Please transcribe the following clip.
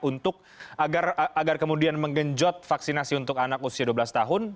untuk agar kemudian menggenjot vaksinasi untuk anak usia dua belas tahun